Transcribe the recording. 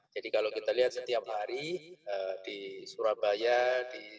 jadi kalau kita lihat setiap hari di surabaya di jawa timur